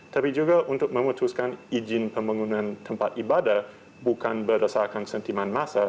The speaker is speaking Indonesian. tapi juga untuk memutuskan izin pembangunan tempat ibadah bukan berdasarkan sentimen masa